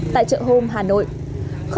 tại chợ home hà nội